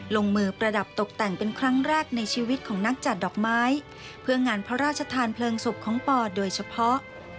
ลงมือประดับตกแต่งเป็นครั้งแรกในชีวิตของนักจัดดอกไม้เพื่องานพระราชทานเพลิงศพของปอโดยเฉพาะ